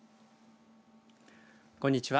こんにちは。